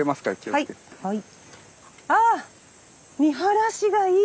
はい。